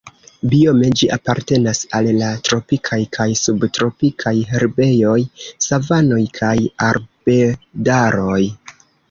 Biome ĝi apartenas al la tropikaj kaj subtropikaj herbejoj, savanoj kaj arbedaroj.